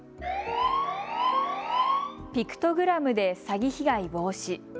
ピクトグラムで詐欺被害防止。